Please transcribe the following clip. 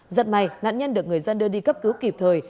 giật may nạn nhân được người dân đưa đi cấp cứu kịp thời